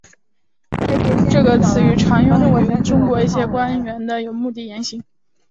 这个词语常用于中国一些官员的有目的言行。